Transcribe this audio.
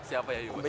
siapa yayu basuki